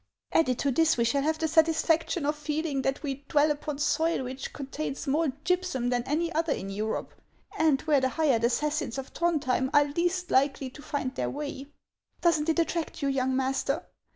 Added to this, we shall have the satis faction of feeling that we dwell upon soil which contains more gypsum than any other in Europe, and where the hired assassins of Throndhjem are least likely to find their way. Does n't it attract you, young master